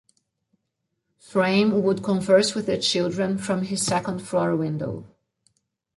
Fraim would converse with the children from his second-floor window.